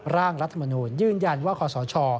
ร่างรัฐมนูลยืนยันว่าคอสช